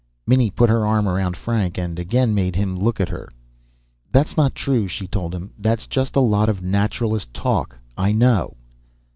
Minnie put her arm around Frank again and made him look at her. "That's not true," she told him. "That's just a lot of Naturalist talk. I know."